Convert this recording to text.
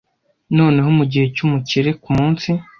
Noneho mugihe cyumukire kumunsi